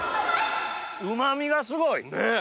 うま味がすごい。ねぇ！